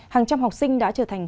hàng trăm học sinh đã trở thành